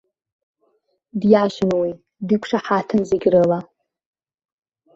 Диашан уи, диқәшаҳаҭын зегьрыла.